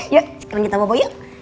yuk sekarang kita bobo yuk